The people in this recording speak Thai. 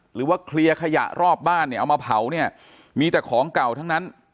หรือว่าเคลียร์ขยะรอบบ้านเนี่ยเอามาเผาเนี่ยมีแต่ของเก่าทั้งนั้น